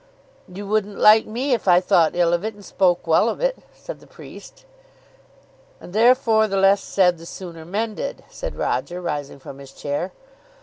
"You wouldn't like me if I thought ill of it and spoke well of it," said the priest. "And, therefore, the less said the sooner mended," said Roger, rising from his chair.